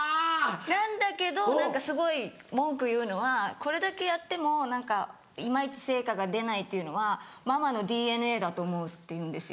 なんだけどすごい文句言うのは「これだけやっても今イチ成果が出ないっていうのはママのＤＮＡだと思う」って言うんですよ。